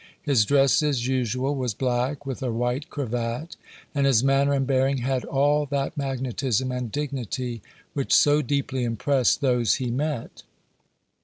His dress, as usual, was black, with a white cravat, and his manner and bearing had all that magnetism and dignity which so deeply impressed those he met.